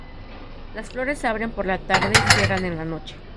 Las flores se abren por la tarde y cierran en la noche.